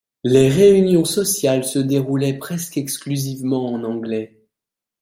Les réunions sociales se déroulaient presque exclusivement en anglais.